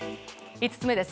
５つ目です。